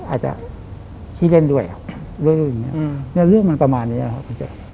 อาจจะชี้เล่นด้วยเรื่องมันประมาณนี้นะครับคุณเจ๊